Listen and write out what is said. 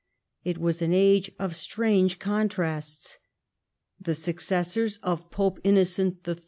It was an age of strange contrasts. The successors of Pope Innocent III.